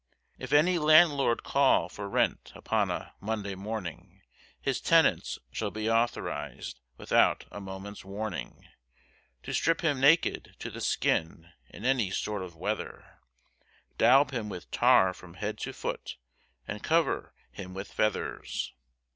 If any landlord call for rent upon a Monday morning, His tenants shall be authorised without a moment's warning To strip him naked to the skin in any sort of weather, Daub him with tar from head to foot, and cover him with feathers.